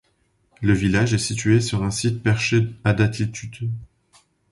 Le village est situé sur un site perché à d’altitude.